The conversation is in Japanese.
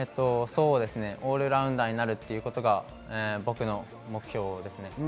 オールラウンダーになるということが僕の目標ですね。